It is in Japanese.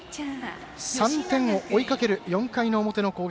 ３点を追いかける４回の表の攻撃。